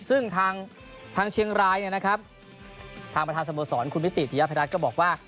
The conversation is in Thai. ซึ่งทางเชียงรายเนี่ยนะครับทางประธานสโมสรคุณมิติธิยภัยรัฐก็บอกว่า